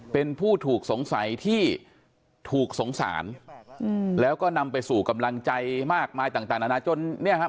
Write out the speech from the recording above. เป็นผู้ถูกสงสัยที่ถูกสงสารแล้วก็นำไปสู่กำลังใจมากมายต่างนานาจนเนี่ยครับ